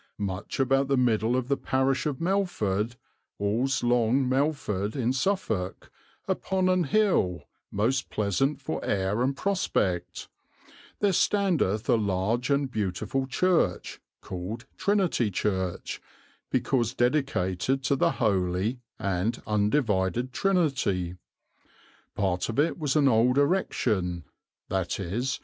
"Much about the middle of the Parish of Melford, al's Long Melford, in Suffolk, upon an hill, most pleasant for air and prospect, there standeth a large and beautiful Church called Trinity Church, because dedicated to the Holy and undivided Trinity.... Part of it was an old erection, viz.